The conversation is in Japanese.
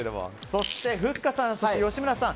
そして、ふっかさん、吉村さん。